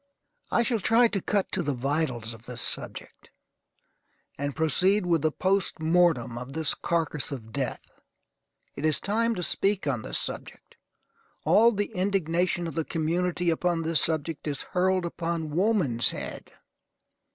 I shall try to cut to the vitals of the subject, and proceed with the post mortem of this carcass of death. It is time to speak on this subject. All the indignation of the community upon this subject is hurled upon woman's head.